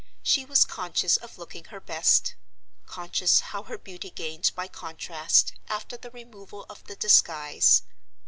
She was conscious of looking her best; conscious how her beauty gained by contrast, after the removal of the disguise.